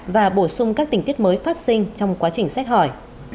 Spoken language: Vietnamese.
và bổ sung các tình tiết mới phát sinh trong quá trình xét hỏi